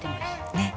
「ねっ」